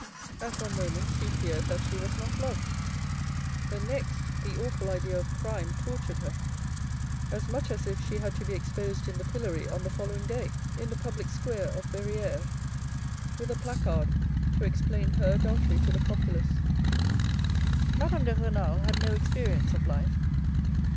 At one moment she feared that she was not loved. The next the awful idea of crime tortured her, as much as if she had to be exposed in the pillory on the following day in the public square of Verrieres, with a placard to explain her adultery to the populace. Madame de Renal had no experience of life.